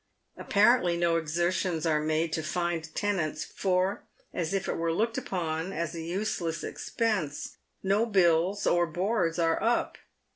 Apparently no exertions are made to find tenants, for, as if it were looked upon as a useless expense, no bills or boards are up.